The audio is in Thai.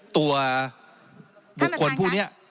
ตัวบุคคลผู้นี้